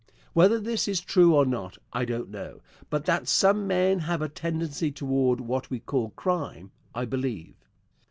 Whether this is true or not, I don't know; but that some men have a tendency toward what we call crime, I believe.